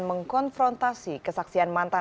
mengkonfrontasi kesaksian mantan